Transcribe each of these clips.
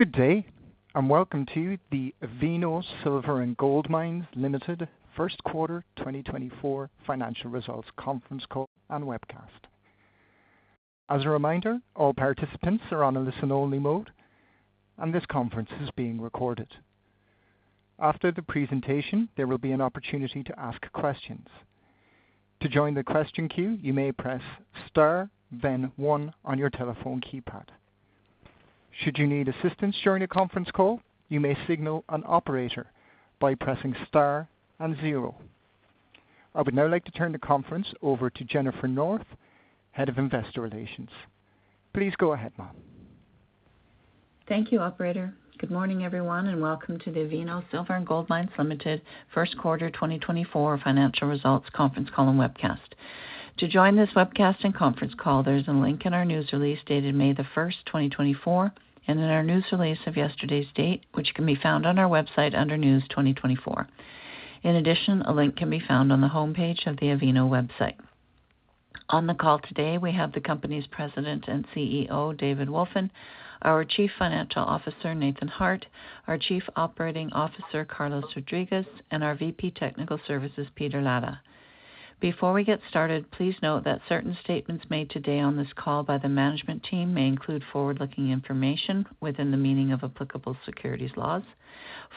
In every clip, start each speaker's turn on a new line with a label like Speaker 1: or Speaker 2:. Speaker 1: Good day, and welcome to the Avino Silver and Gold Mines Limited First Quarter 2024 Financial Results Conference Call and Webcast. As a reminder, all participants are on a listen-only mode, and this conference is being recorded. After the presentation, there will be an opportunity to ask questions. To join the question queue, you may press Star, then one on your telephone keypad. Should you need assistance during a conference call, you may signal an operator by pressing Star and zero. I would now like to turn the conference over to Jennifer North, Head of Investor Relations. Please go ahead, ma'am.
Speaker 2: Thank you, operator. Good morning, everyone, and welcome to the Avino Silver and Gold Mines Limited First Quarter 2024 Financial Results Conference Call and Webcast. To join this webcast and conference call, there's a link in our news release dated May 1, 2024, and in our news release of yesterday's date, which can be found on our website under News 2024. In addition, a link can be found on the homepage of the Avino website. On the call today, we have the company's President and CEO, David Wolfin, our Chief Financial Officer, Nathan Hart, our Chief Operating Officer, Carlos Rodriguez, and our VP Technical Services, Peter Lara. Before we get started, please note that certain statements made today on this call by the management team may include forward-looking information within the meaning of applicable securities laws.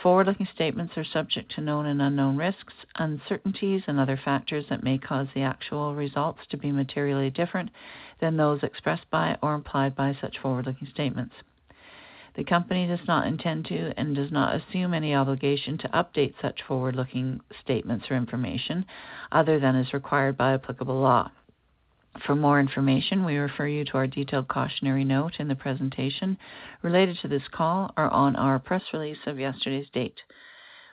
Speaker 2: Forward-looking statements are subject to known and unknown risks, uncertainties, and other factors that may cause the actual results to be materially different than those expressed by or implied by such forward-looking statements. The company does not intend to and does not assume any obligation to update such forward-looking statements or information other than is required by applicable law. For more information, we refer you to our detailed cautionary note in the presentation related to this call or on our press release of yesterday's date.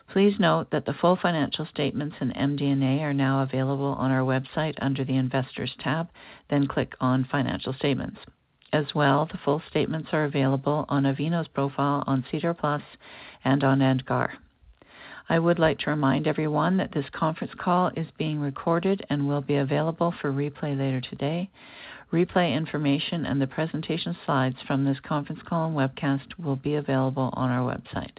Speaker 2: Please note that the full financial statements in MD&A are now available on our website under the Investors tab, then click on Financial Statements. As well, the full statements are available on Avino's profile on SEDAR+ and on EDGAR. I would like to remind everyone that this conference call is being recorded and will be available for replay later today. Replay information and the presentation slides from this conference call and webcast will be available on our website.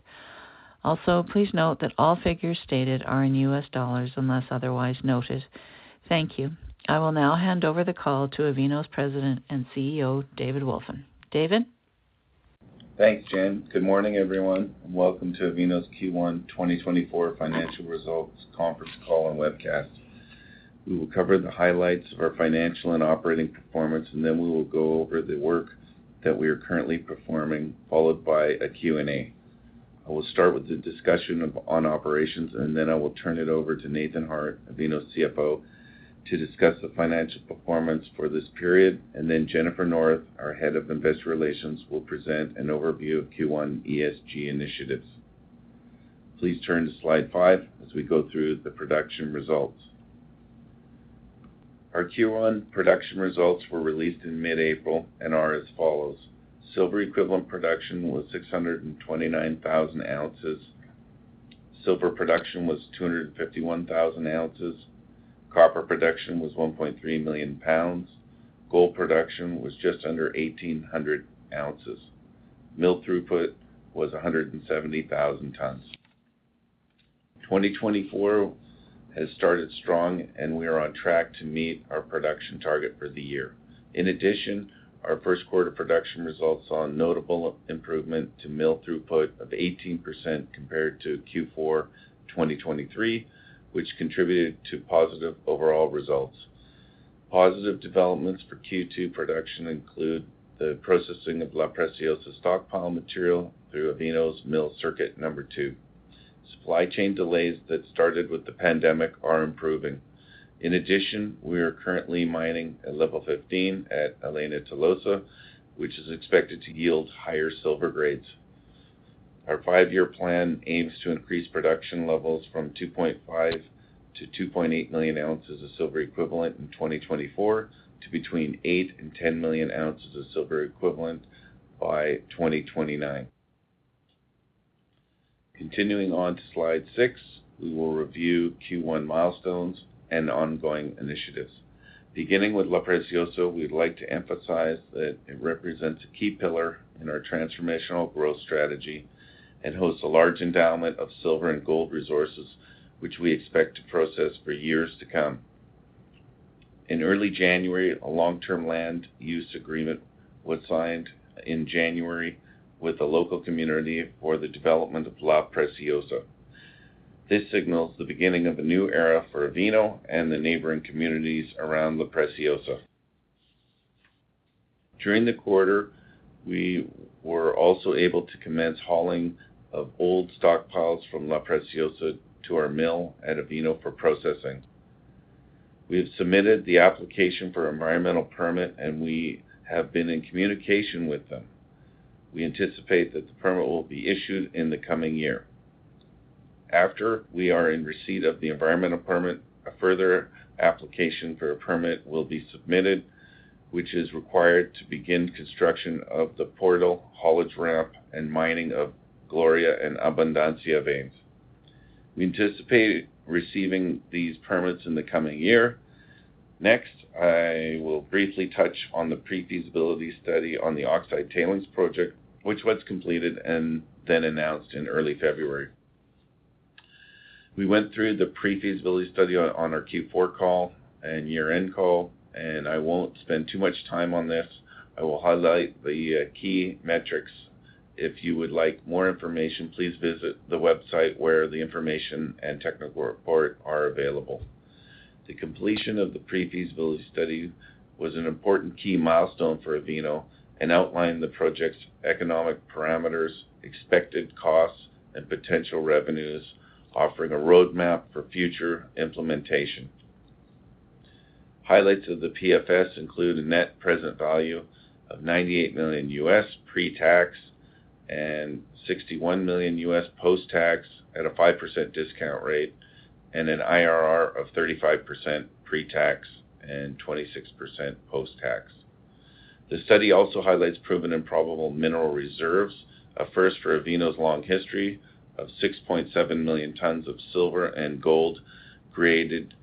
Speaker 2: Also, please note that all figures stated are in U.S. dollars, unless otherwise noted. Thank you. I will now hand over the call to Avino's President and CEO, David Wolfin. David?
Speaker 3: Thanks, Jen. Good morning, everyone, and welcome to Avino's Q1 2024 Financial Results conference call and webcast. We will cover the highlights of our financial and operating performance, and then we will go over the work that we are currently performing, followed by a Q&A. I will start with the discussion of our operations, and then I will turn it over to Nathan Hart, Avino's CFO, to discuss the financial performance for this period. Then Jennifer North, our Head of Investor Relations, will present an overview of Q1 ESG initiatives. Please turn to slide 5 as we go through the production results. Our Q1 production results were released in mid-April and are as follows: Silver equivalent production was 629,000 ounces. Silver production was 251,000 ounces. Copper production was 1.3 million pounds. Gold production was just under 1,800 ounces. Mill throughput was 170,000 tons. 2024 has started strong and we are on track to meet our production target for the year. In addition, our first quarter production results saw a notable improvement to mill throughput of 18% compared to Q4 2023, which contributed to positive overall results. Positive developments for Q2 production include the processing of La Preciosa stockpile material through Avino's mill circuit number two. Supply chain delays that started with the pandemic are improving. In addition, we are currently mining at level 15 at Elena Tolosa, which is expected to yield higher silver grades. Our 5 year plan aims to increase production levels from 2.5 to 2.8 million ounces of silver equivalent in 2024, to between 8 and 10 million ounces of silver equivalent by 2029. Continuing on to slide 6, we will review Q1 milestones and ongoing initiatives. Beginning with La Preciosa, we'd like to emphasize that it represents a key pillar in our transformational growth strategy and hosts a large endowment of silver and gold resources, which we expect to process for years to come. In early January, a long-term land use agreement was signed in January with the local community for the development of La Preciosa. This signals the beginning of a new era for Avino and the neighboring communities around La Preciosa. During the quarter, we were also able to commence hauling of old stockpiles from La Preciosa to our mill at Avino for processing. We have submitted the application for environmental permit, and we have been in communication with them. We anticipate that the permit will be issued in the coming year. After we are in receipt of the environmental permit, a further application for a permit will be submitted, which is required to begin construction of the portal, haulage ramp, and mining of Gloria and Abundancia veins. We anticipate receiving these permits in the coming year. Next, I will briefly touch on the pre-feasibility study on the Oxide Tailings Project, which was completed and then announced in early February. We went through the pre-feasibility study on our Q4 call and year-end call, and I won't spend too much time on this. I will highlight the key metrics. If you would like more information, please visit the website where the information and technical report are available. The completion of the pre-feasibility study was an important key milestone for Avino and outlined the project's economic parameters, expected costs, and potential revenues, offering a roadmap for future implementation. Highlights of the PFS include a net present value of $98 million pre-tax, and $61 million post-tax at a 5% discount rate, and an IRR of 35% pre-tax and 26% post-tax. The study also highlights proven and probable mineral reserves, a first for Avino's long history of 6.7 million tons of silver and gold, graded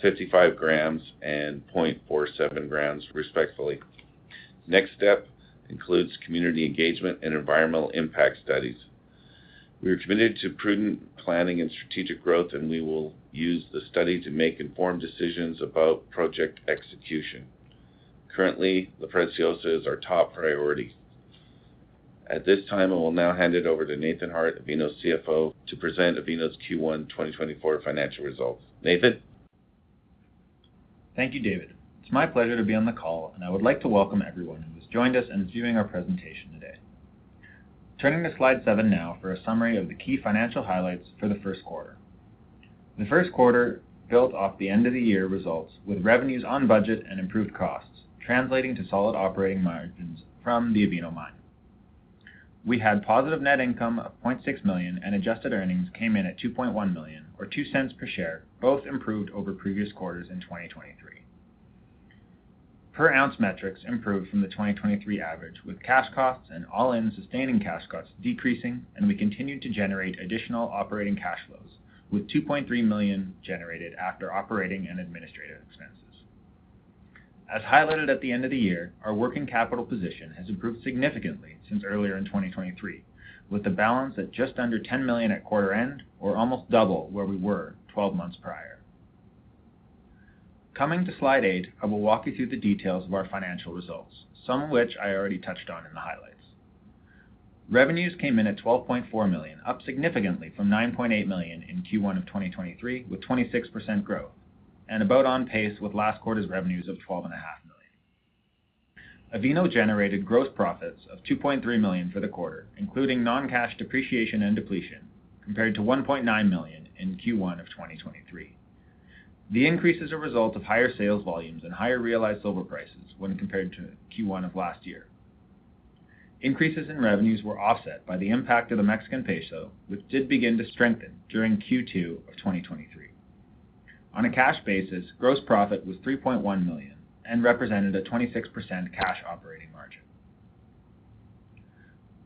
Speaker 3: 55 grams and 0.47 grams respectively. Next step includes community engagement and environmental impact studies. We are committed to prudent planning and strategic growth, and we will use the study to make informed decisions about project execution. Currently, La Preciosa is our top priority. At this time, I will now hand it over to Nathan Hart, Avino's CFO, to present Avino's Q1 2024 financial results. Nathan?
Speaker 4: Thank you, David. It's my pleasure to be on the call, and I would like to welcome everyone who has joined us and is viewing our presentation today. Turning to Slide 7 now for a summary of the key financial highlights for the first quarter. The first quarter built off the end-of-the-year results, with revenues on budget and improved costs, translating to solid operating margins from the Avino Mine. We had positive net income of $0.6 million, and adjusted earnings came in at $2.1 million, or $0.02 per share, both improved over previous quarters in 2023. Per-ounce metrics improved from the 2023 average, with cash costs and all-in sustaining cash costs decreasing, and we continued to generate additional operating cash flows, with $2.3 million generated after operating and administrative expenses. As highlighted at the end of the year, our working capital position has improved significantly since earlier in 2023, with the balance at just under $10 million at quarter end, or almost double where we were 12 months prior. Coming to Slide 8, I will walk you through the details of our financial results, some of which I already touched on in the highlights. Revenues came in at $12.4 million, up significantly from $9.8 million in Q1 of 2023, with 26% growth and about on pace with last quarter's revenues of $12.5 million. Avino generated gross profits of $2.3 million for the quarter, including non-cash depreciation and depletion, compared to $1.9 million in Q1 of 2023. The increase is a result of higher sales volumes and higher realized silver prices when compared to Q1 of last year. Increases in revenues were offset by the impact of the Mexican peso, which did begin to strengthen during Q2 of 2023. On a cash basis, gross profit was $3.1 million and represented a 26% cash operating margin.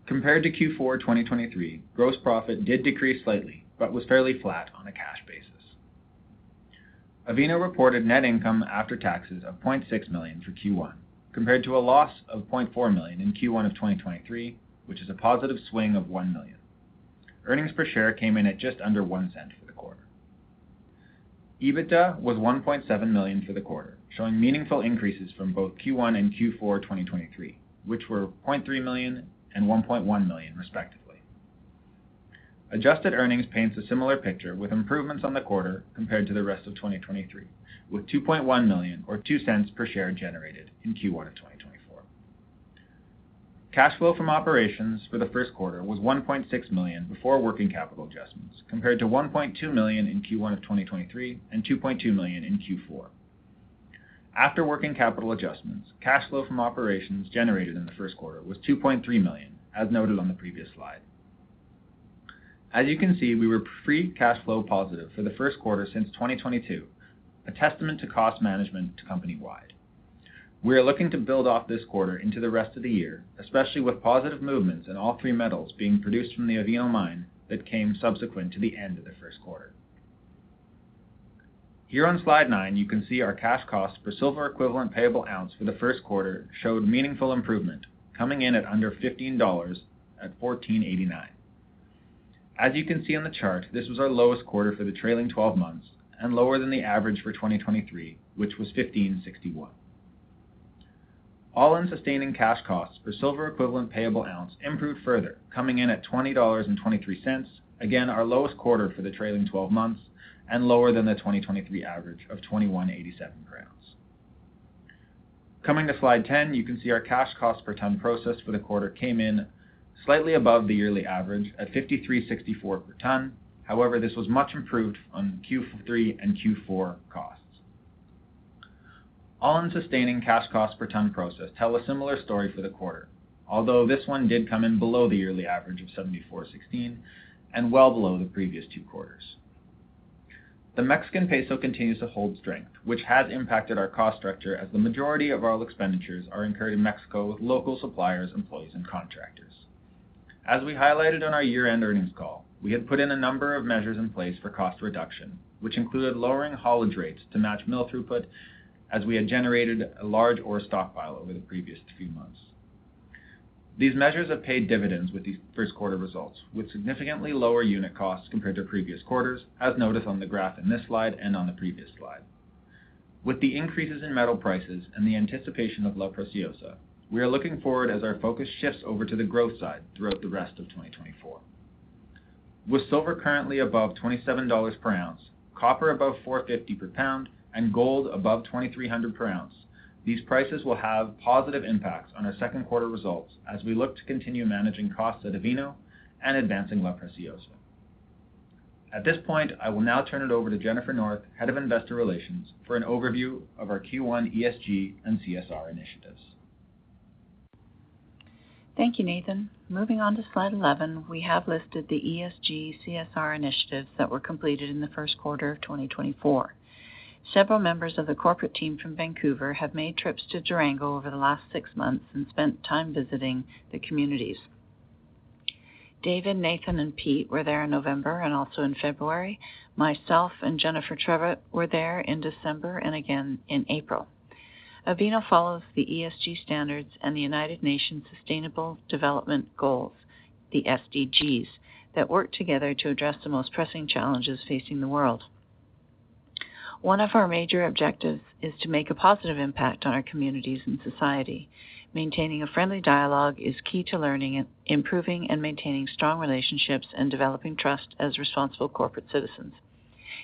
Speaker 4: Compared to Q4 2023, gross profit did decrease slightly but was fairly flat on a cash basis. Avino reported net income after taxes of $0.6 million for Q1, compared to a loss of $0.4 million in Q1 of 2023, which is a positive swing of $1 million. Earnings per share came in at just under $0.01 for the quarter. EBITDA was $1.7 million for the quarter, showing meaningful increases from both Q1 and Q4 2023, which were $0.3 million and $1.1 million, respectively. Adjusted earnings paints a similar picture, with improvements on the quarter compared to the rest of 2023, with $2.1 million or $0.02 per share generated in Q1 of 2024. Cash flow from operations for the first quarter was $1.6 million before working capital adjustments, compared to $1.2 million in Q1 of 2023 and $2.2 million in Q4. After working capital adjustments, cash flow from operations generated in the first quarter was $2.3 million, as noted on the previous slide. As you can see, we were free cash flow positive for the first quarter since 2022, a testament to cost management company-wide. We are looking to build off this quarter into the rest of the year, especially with positive movements in all three metals being produced from the Avino Mine that came subsequent to the end of the first quarter. Here on Slide 9, you can see our cash cost per silver equivalent payable ounce for the first quarter showed meaningful improvement, coming in at under $15 at $14.89. As you can see on the chart, this was our lowest quarter for the trailing 12 months and lower than the average for 2023, which was $15.61. All-in sustaining cash costs per silver equivalent payable ounce improved further, coming in at $20.23. Again, our lowest quarter for the trailing 12 months and lower than the 2023 average of $21.87. Coming to Slide 10, you can see our cash cost per ton processed for the quarter came in slightly above the yearly average at $53.64 per ton. However, this was much improved on Q3 and Q4 costs. All-in sustaining cash costs per ton processed tell a similar story for the quarter, although this one did come in below the yearly average of $74.16 and well below the previous two quarters. The Mexican peso continues to hold strength, which has impacted our cost structure as the majority of our expenditures are incurred in Mexico, with local suppliers, employees, and contractors. As we highlighted on our year-end earnings call, we had put in a number of measures in place for cost reduction, which included lowering haulage rates to match mill throughput, as we had generated a large ore stockpile over the previous few months. These measures have paid dividends with these first quarter results, with significantly lower unit costs compared to previous quarters, as noticed on the graph in this slide and on the previous slide. With the increases in metal prices and the anticipation of La Preciosa, we are looking forward as our focus shifts over to the growth side throughout the rest of 2024. With silver currently above $27 per ounce, copper above $4.50 per pound, and gold above $2,300 per ounce, these prices will have positive impacts on our second quarter results as we look to continue managing costs at Avino and advancing La Preciosa. At this point, I will now turn it over to Jennifer North, Head of Investor Relations, for an overview of our Q1 ESG and CSR initiatives.
Speaker 2: Thank you, Nathan. Moving on to slide 11, we have listed the ESG CSR initiatives that were completed in the first quarter of 2024. Several members of the corporate team from Vancouver have made trips to Durango over the last 6 months and spent time visiting the communities. David, Nathan, and Pete were there in November and also in February. Myself and Jennifer Trevett were there in December and again in April. Avino follows the ESG standards and the United Nations Sustainable Development Goals, the SDGs, that work together to address the most pressing challenges facing the world. One of our major objectives is to make a positive impact on our communities and society. Maintaining a friendly dialogue is key to learning and improving and maintaining strong relationships and developing trust as responsible corporate citizens.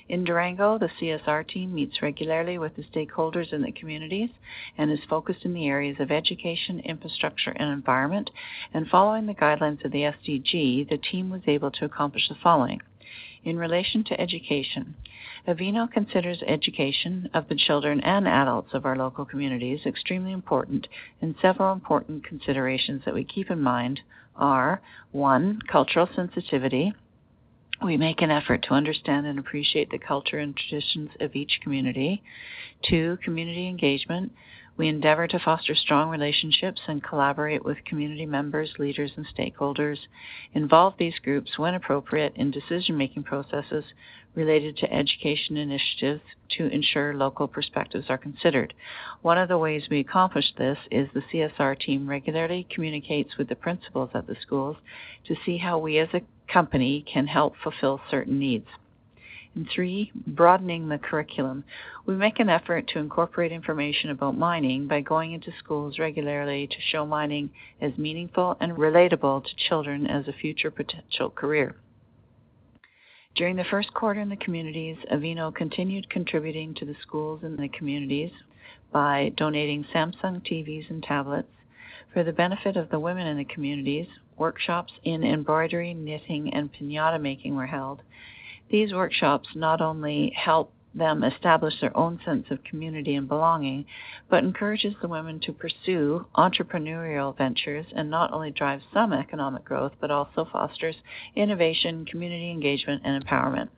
Speaker 2: In Durango, the CSR team meets regularly with the stakeholders in the communities and is focused in the areas of education, infrastructure, and environment, and following the guidelines of the SDG, the team was able to accomplish the following: In relation to education, Avino considers education of the children and adults of our local communities extremely important, and several important considerations that we keep in mind are, one, cultural sensitivity. We make an effort to understand and appreciate the culture and traditions of each community. Two, community engagement. We endeavor to foster strong relationships and collaborate with community members, leaders, and stakeholders, involve these groups, when appropriate, in decision-making processes related to education initiatives to ensure local perspectives are considered. One of the ways we accomplish this is the CSR team regularly communicates with the principals of the schools to see how we, as a company, can help fulfill certain needs. And three, broadening the curriculum. We make an effort to incorporate information about mining by going into schools regularly to show mining as meaningful and relatable to children as a future potential career. During the first quarter in the communities, Avino continued contributing to the schools and the communities by donating Samsung TVs and tablets. For the benefit of the women in the communities, workshops in embroidery, knitting, and piñata making were held. These workshops not only help them establish their own sense of community and belonging, but encourages the women to pursue entrepreneurial ventures and not only drives some economic growth, but also fosters innovation, community engagement, and empowerment.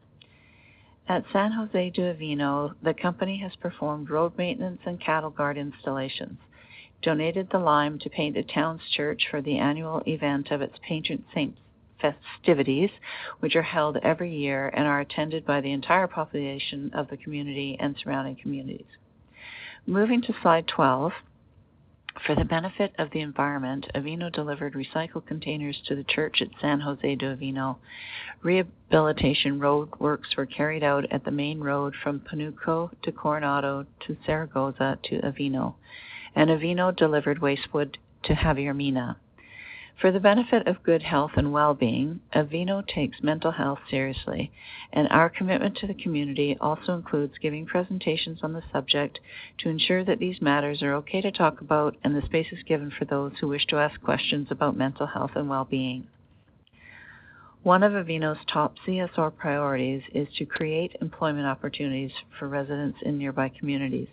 Speaker 2: At San José de Avino, the company has performed road maintenance and cattle guard installations, donated the lime to paint a town's church for the annual event of its patron saint festivities, which are held every year and are attended by the entire population of the community and surrounding communities. Moving to slide 12. For the benefit of the environment, Avino delivered recycled containers to the church at San José de Avino. Rehabilitation roadworks were carried out at the main road from Pánuco to Coronado to Zaragoza to Avino, and Avino delivered waste wood to Javier Mina. For the benefit of good health and well-being, Avino takes mental health seriously, and our commitment to the community also includes giving presentations on the subject to ensure that these matters are okay to talk about, and the space is given for those who wish to ask questions about mental health and well-being. One of Avino's top CSR priorities is to create employment opportunities for residents in nearby communities,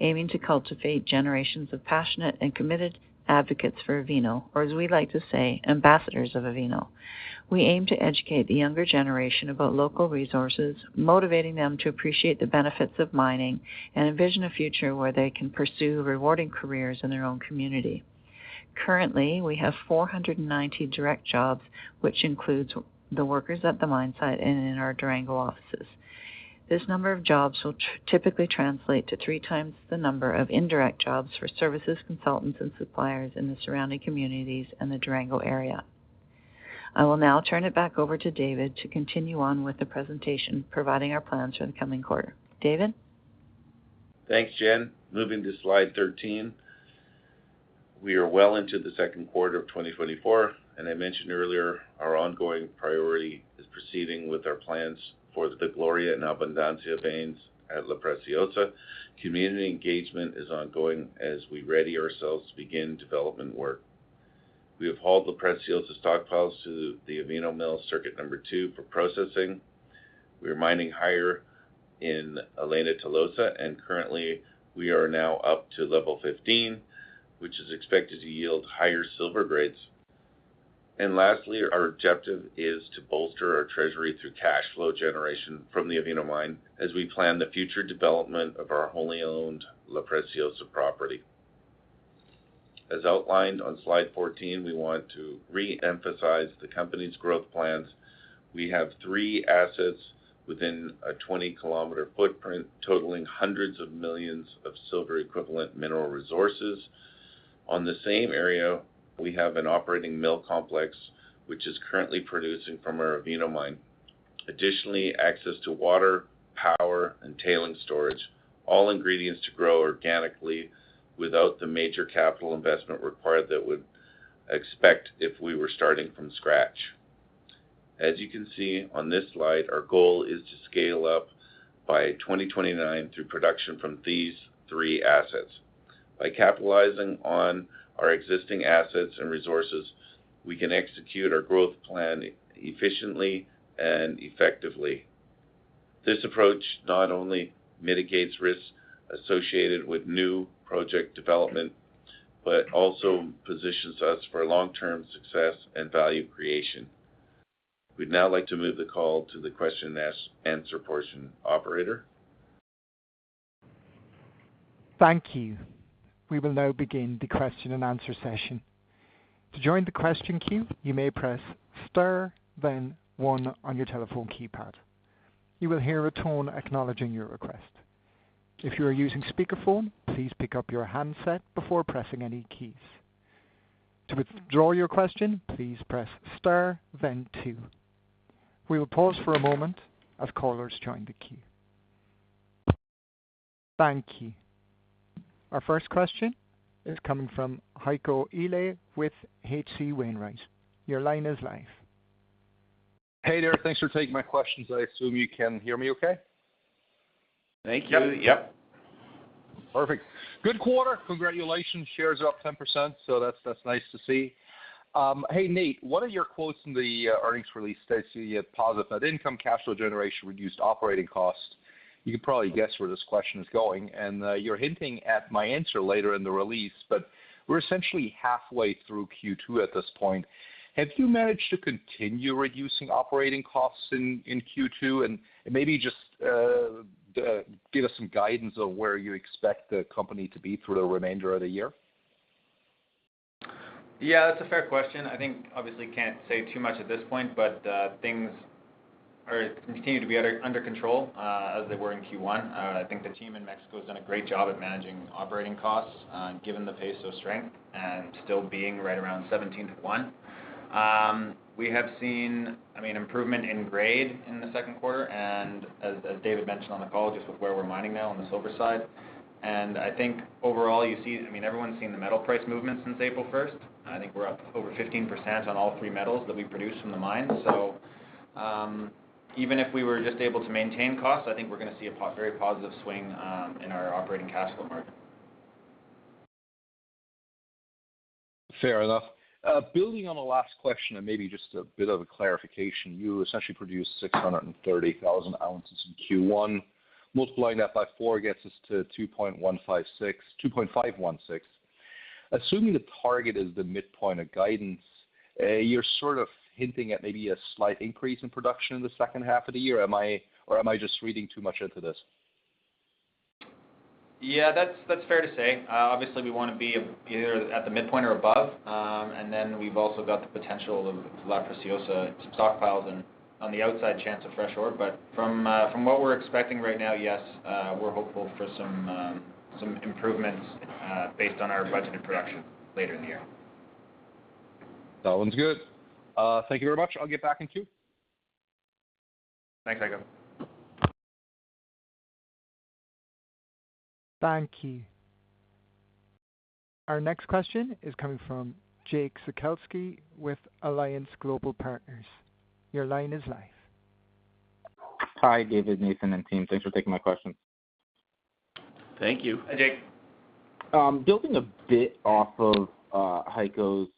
Speaker 2: aiming to cultivate generations of passionate and committed advocates for Avino, or as we like to say, ambassadors of Avino. We aim to educate the younger generation about local resources, motivating them to appreciate the benefits of mining, and envision a future where they can pursue rewarding careers in their own community. Currently, we have 490 direct jobs, which includes the workers at the mine site and in our Durango offices. This number of jobs will typically translate to three times the number of indirect jobs for services, consultants, and suppliers in the surrounding communities and the Durango area. I will now turn it back over to David to continue on with the presentation, providing our plans for the coming quarter. David?
Speaker 3: Thanks, Jen. Moving to slide 13. We are well into the second quarter of 2024, and I mentioned earlier, our ongoing priority is proceeding with our plans for the Gloria and Abundancia veins at La Preciosa. Community engagement is ongoing as we ready ourselves to begin development work. We have hauled La Preciosa stockpiles to the Avino Mill Circuit number two for processing. We are mining higher in Elena Tolosa, and currently, we are now up to level 15, which is expected to yield higher silver grades. ... And lastly, our objective is to bolster our treasury through cash flow generation from the Avino Mine as we plan the future development of our wholly owned La Preciosa property. As outlined on slide 14, we want to reemphasize the company's growth plans. We have three assets within a 20-kilometer footprint, totaling hundreds of millions of silver equivalent mineral resources. On the same area, we have an operating mill complex, which is currently producing from our Avino Mine. Additionally, access to water, power, and tailing storage, all ingredients to grow organically without the major capital investment required that would expect if we were starting from scratch. As you can see on this slide, our goal is to scale up by 2029 through production from these three assets. By capitalizing on our existing assets and resources, we can execute our growth plan efficiently and effectively. This approach not only mitigates risks associated with new project development, but also positions us for long-term success and value creation. We'd now like to move the call to the question and answer portion. Operator?
Speaker 1: Thank you. We will now begin the question and answer session. To join the question queue, you may press star, then one on your telephone keypad. You will hear a tone acknowledging your request. If you are using speakerphone, please pick up your handset before pressing any keys. To withdraw your question, please press star, then two. We will pause for a moment as callers join the queue. Thank you. Our first question is coming from Heiko Ihle with H.C. Wainwright. Your line is live.
Speaker 5: Hey there. Thanks for taking my questions. I assume you can hear me okay?
Speaker 3: Thank you. Yep.
Speaker 5: Perfect. Good quarter. Congratulations, shares are up 10%, so that's, that's nice to see. Hey, Nate, one of your quotes in the earnings release states you had positive net income, cash flow generation, reduced operating costs. You can probably guess where this question is going, and you're hinting at my answer later in the release, but we're essentially halfway through Q2 at this point. Have you managed to continue reducing operating costs in Q2? And maybe just give us some guidance on where you expect the company to be through the remainder of the year?
Speaker 4: Yeah, that's a fair question. I think, obviously, can't say too much at this point, but, things are continuing to be under control, as they were in Q1. I think the team in Mexico has done a great job at managing operating costs, given the peso strength and still being right around 17 to 1. We have seen, I mean, improvement in grade in the second quarter, and as David mentioned on the call, just with where we're mining now on the silver side. And I think overall, you see. I mean, everyone's seen the metal price movement since April first. I think we're up over 15% on all three metals that we produce from the mine. Even if we were just able to maintain costs, I think we're gonna see a very positive swing in our operating cash flow margin.
Speaker 5: Fair enough. Building on the last question and maybe just a bit of a clarification, you essentially produced 630,000 ounces in Q1. Multiplying that by 4 gets us to 2.156—2.516. Assuming the target is the midpoint of guidance, you're sort of hinting at maybe a slight increase in production in the second half of the year. Am I, or am I just reading too much into this?
Speaker 4: Yeah, that's fair to say. Obviously, we wanna be either at the midpoint or above. And then we've also got the potential of La Preciosa stockpiles and on the outside chance of fresh ore. But from what we're expecting right now, yes, we're hopeful for some improvements based on our budgeted production later in the year.
Speaker 5: That one's good. Thank you very much. I'll get back in queue.
Speaker 4: Thanks, Heiko.
Speaker 1: Thank you. Our next question is coming from Jake Sekelsky with Alliance Global Partners. Your line is live.
Speaker 6: Hi, David, Nathan, and team. Thanks for taking my question. Thank you.
Speaker 4: Hi, Jake.
Speaker 6: Building a bit off of Heiko's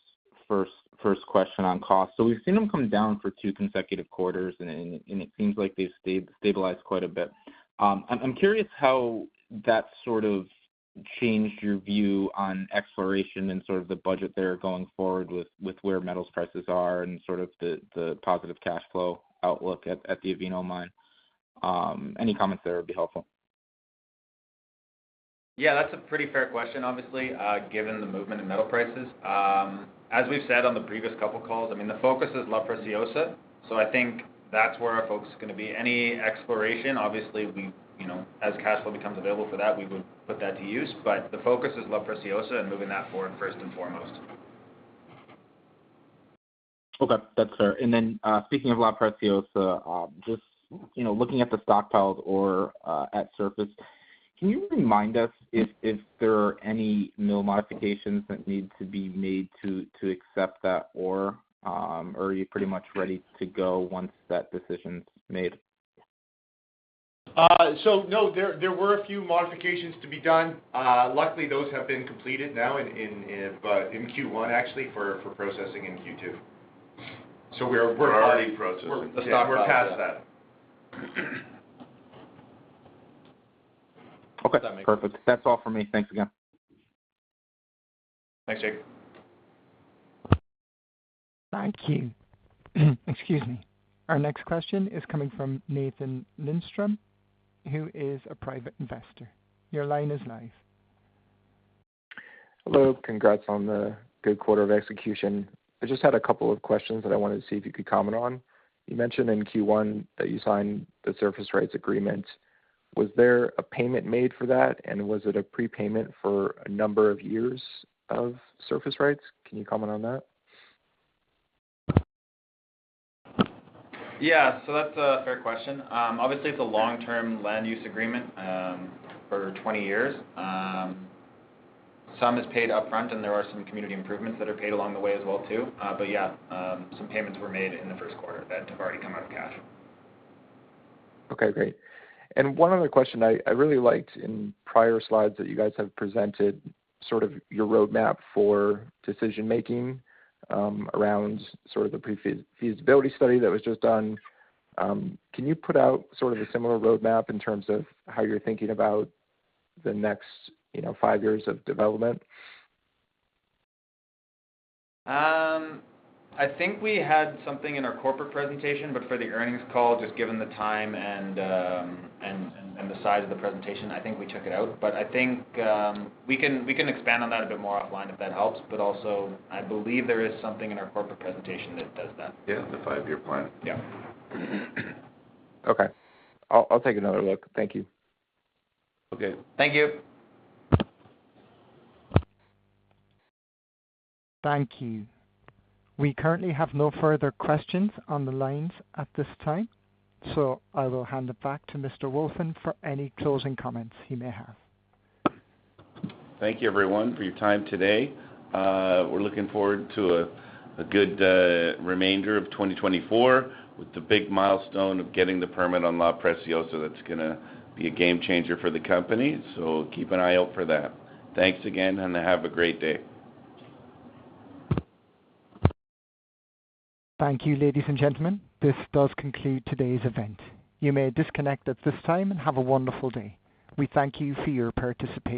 Speaker 6: first question on cost. So we've seen them come down for two consecutive quarters, and it seems like they've stayed stabilized quite a bit. I'm curious how that sort of changed your view on exploration and sort of the budget there going forward with where metals prices are and sort of the positive cash flow outlook at the Avino Mine. Any comments there would be helpful.
Speaker 4: Yeah, that's a pretty fair question, obviously, given the movement in metal prices. As we've said on the previous couple of calls, I mean, the focus is La Preciosa, so I think that's where our focus is gonna be. Any exploration, obviously, we, you know, as cash flow becomes available for that, we would put that to use, but the focus is La Preciosa and moving that forward, first and foremost.
Speaker 6: Okay, that's fair. And then, speaking of La Preciosa, just, you know, looking at the stockpiles or, at surface, can you remind us if there are any mill modifications that need to be made to accept that ore? Or are you pretty much ready to go once that decision's made?
Speaker 4: So no, there were a few modifications to be done. Luckily, those have been completed now in Q1, actually, for processing in Q2.
Speaker 3: So we're already processing.
Speaker 4: We're past that. ...
Speaker 6: Okay, perfect. That's all for me. Thanks again.
Speaker 4: Thanks, Jake.
Speaker 1: Thank you. Excuse me. Our next question is coming from Nathan Lindstrom, who is a private investor. Your line is live.
Speaker 6: Hello. Congrats on the good quarter of execution. I just had a couple of questions that I wanted to see if you could comment on. You mentioned in Q1 that you signed the surface rights agreement. Was there a payment made for that, and was it a prepayment for a number of years of surface rights? Can you comment on that?
Speaker 4: Yeah, so that's a fair question. Obviously, it's a long-term land use agreement, for 20 years. Some is paid upfront, and there are some community improvements that are paid along the way as well, too. But yeah, some payments were made in the first quarter that have already come out of cash.
Speaker 6: Okay, great. And one other question. I really liked in prior slides that you guys have presented sort of your roadmap for decision making around sort of the pre-feasibility study that was just done. Can you put out sort of a similar roadmap in terms of how you're thinking about the next, you know, five years of development?
Speaker 4: I think we had something in our corporate presentation, but for the earnings call, just given the time and the size of the presentation, I think we took it out. But I think we can expand on that a bit more offline, if that helps. But also, I believe there is something in our corporate presentation that does that.
Speaker 3: Yeah, the 5-year plan.
Speaker 4: Yeah.
Speaker 6: Okay. I'll, I'll take another look. Thank you.
Speaker 3: Okay.
Speaker 4: Thank you.
Speaker 1: Thank you. We currently have no further questions on the lines at this time, so I will hand it back to Mr. Wolfin for any closing comments he may have.
Speaker 3: Thank you, everyone, for your time today. We're looking forward to a good remainder of 2024, with the big milestone of getting the permit on La Preciosa. That's gonna be a game changer for the company, so keep an eye out for that. Thanks again, and have a great day.
Speaker 1: Thank you, ladies and gentlemen, this does conclude today's event. You may disconnect at this time, and have a wonderful day. We thank you for your participation.